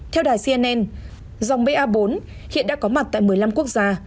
theo đài cnn dòng ba bốn hiện đã có mặt tại một mươi năm quốc gia